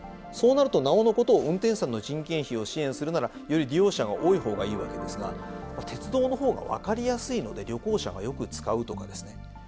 そうなるとなおのこと運転手さんの人件費を支援するならより利用者が多い方がいいわけですが鉄道の方が分かりやすいので旅行者がよく使うとかですね